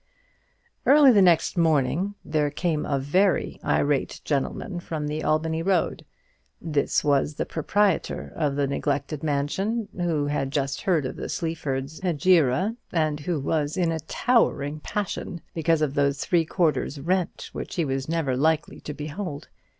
Early the next morning there came a very irate gentleman from the Albany Road. This was the proprietor of the neglected mansion, who had just heard of the Sleaford hegira, and who was in a towering passion because of those three quarter's rent which he was never likely to behold.